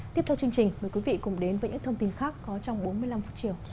tiếp theo chương trình mời quý vị cùng đến với những thông tin khác có trong bốn mươi năm phút chiều